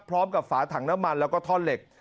พร้อมกับฝาถังน้ำมันแล้วก็ท่อนเหล็ก